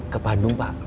ke bandung pak